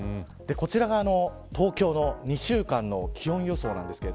こちらが東京の２週間の気温予想です。